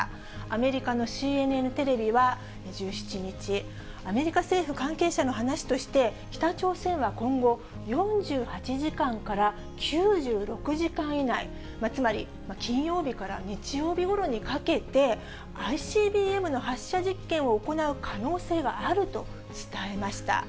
アメリカのＣＮＮテレビは、１７日、アメリカ政府関係者の話として、北朝鮮は今後、４８時間から９６時間以内、つまり金曜日から日曜日ごろにかけて、ＩＣＢＭの発射実験を行う可能性があると伝えました。